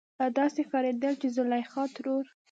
داسې ښکارېدل چې زليخا ترور